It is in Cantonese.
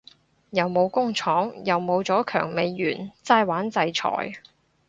又冇工廠又冇咗強美元齋玩制裁